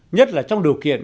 nhất là trong điều kiện